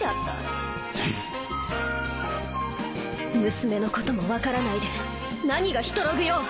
娘のことも分からないで何がヒトログよ！